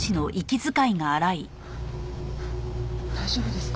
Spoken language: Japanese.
大丈夫ですか？